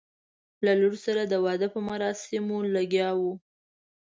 له لور سره د واده په مراسمو لګیا وو.